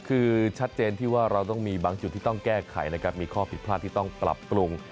คือชัดเจนที่ว่าเราต้องมีบางจุดที่ต้องแก้ไขนะครับมีข้อผิดพลาดที่ต้องปรับปรุง